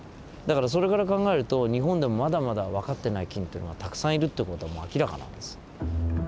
だからそれから考えると日本でもまだまだわかってない菌というのはたくさんいるって事はもう明らかなんです。